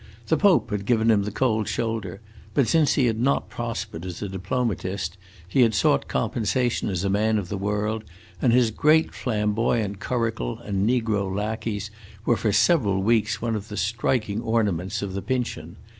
The Pope had given him the cold shoulder, but since he had not prospered as a diplomatist, he had sought compensation as a man of the world, and his great flamboyant curricle and negro lackeys were for several weeks one of the striking ornaments of the Pincian.